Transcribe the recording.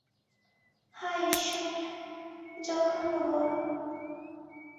হায় ঈশ্বর জঘন্য গরম।